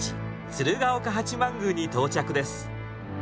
鶴岡八幡宮に到着です。